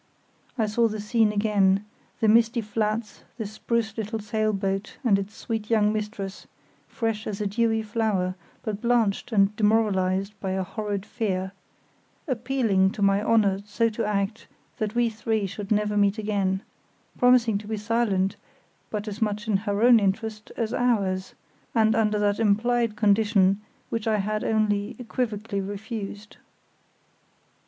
I saw the scene again; the misty flats, the spruce little sail boat and its sweet young mistress, fresh as a dewy flower, but blanched and demoralised by a horrid fear, appealing to my honour so to act that we three should never meet again, promising to be silent, but as much in her own interest as ours, and under that implied condition which I had only equivocally refused.